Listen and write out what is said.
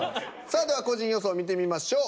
さあでは個人予想見てみましょう。